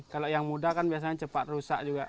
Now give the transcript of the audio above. kalau yang muda kan biasanya cepat rusak juga